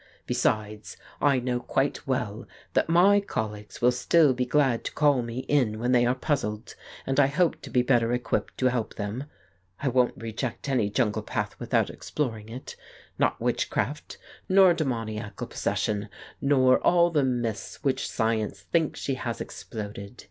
Besides, I know quite well that my colleagues will still be glad to call me in when they are puzzled, and I hope to be better equipped to help them. ... I won't reject any jungle path without exploring it, not witchcraft, nor 150 The Case of Frank Hampden demoniacal possession, nor all the myths which science thinks she has exploded.